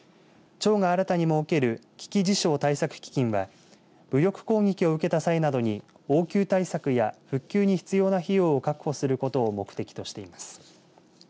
町が新たに設ける危機事象対策基金は武力攻撃を受けた際に応急対策や復旧に必要な費用を確保することを目的としています。